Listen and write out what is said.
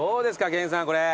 研さんこれ。